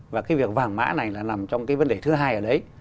và cái việc vàng mã này là nằm trong cái vấn đề thứ hai ở đấy